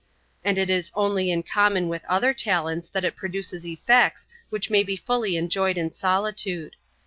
And it is only in common with other talents that it produces effects which may be fully enjoyed in solitude.